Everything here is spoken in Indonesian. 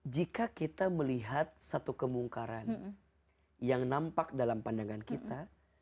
jika kita melihat satu kemungkaran yang nampak dalam pandangan kita